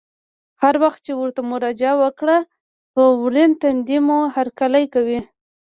هر وخت چې ورته مراجعه وکړه په ورین تندي مو هرکلی کوي.